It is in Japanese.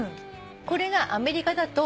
これがアメリカだと。